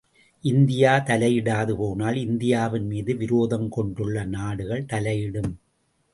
India தலையிடாது போனால், இந்தியாவின்மீது விரோதம் கொண்டுள்ள நாடுகள் தலையிடும்.